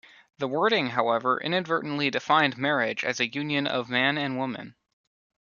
The wording, however, inadvertently defined marriage as the union of man and woman.